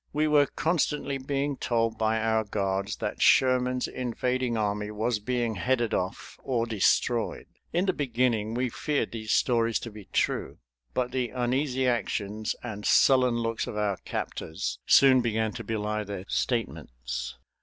We were constantly being told by our guards that Sherman's invading army was being headed off or destroyed. In the beginning we feared these stories to be true, but the uneasy actions and sullen looks of our captors soon began to belie their statements.